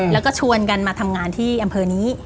แล้วก็ชวนกันมาทำงานที่อำเภอนี้